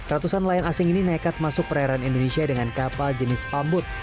ratusan nelayan asing ini nekat masuk perairan indonesia dengan kapal jenis pambut